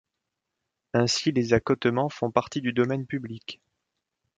Ainsi les accotements font partie du domaine public.